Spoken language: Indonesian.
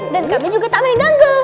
dan kami juga tak main ganggu